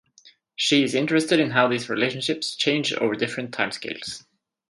She is interested in how these relationships change over different timescales.